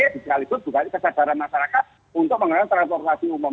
dikalik itu juga kesadaran masyarakat untuk mengenai transformasi umum